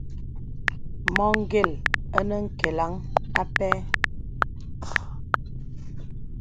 Mɔ gèl ìnə̀ nkelaŋ â pɛ.